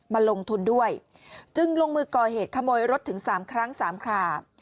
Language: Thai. มาลงทุนด้วยจึงลงมือก่อเหตุขโมยรถถึง๓ครั้ง๓ครา